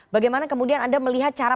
bagaimana kemudian anda melihat cara